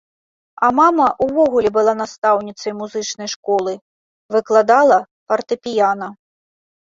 А мама ўвогуле была настаўніцай музычнай школы, выкладала фартэпіяна.